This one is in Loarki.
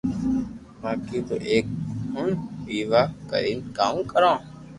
بائي تو ايڪ ھڻ ويوا ڪرين ڪاوُ ڪرو